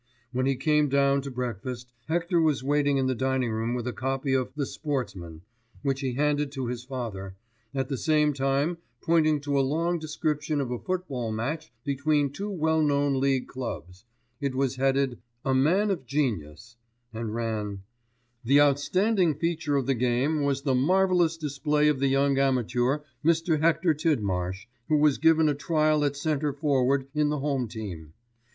When he came down to breakfast Hector was waiting in the dining room with a copy of The Sportsman, which he handed to his father, at the same time pointing to a long description of a football match between two well known league clubs; it was headed "A Man of Genius," and ran: "The outstanding feature of the game was the marvellous display of the young amateur, Mr. Hector Tidmarsh, who was given a trial at centre forward in the home team.